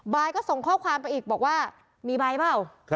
ก็ส่งข้อความไปอีกบอกว่ามีใบเปล่า